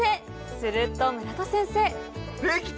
すると村田先生出来た！